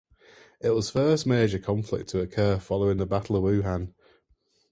It was the first major conflict to occur following the Battle of Wuhan.